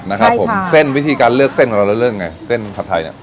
นะครับผมเส้นวิธีการเลือกเส้นของเราแล้วเลือกยังไงเส้นผัดไทยเนี่ย